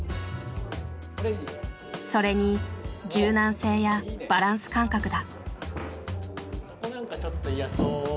それに柔軟性やバランス感覚だ。